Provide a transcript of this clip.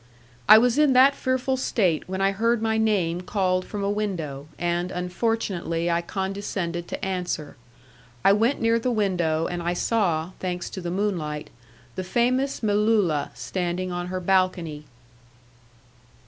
I was in that fearful state, when I heard my name called from a window, and unfortunately I condescended to answer. I went near the window, and I saw, thanks to the moonlight, the famous Melulla standing on her balcony.